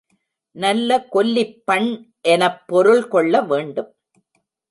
நல்ல கொல்லிப் பண் எனப் பொருள் கொள்ள வேண்டும்.